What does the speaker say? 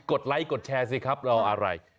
กดไลค์กดแชร์สิครับแล้วอะไร